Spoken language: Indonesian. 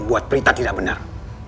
membuat perintah tidak benar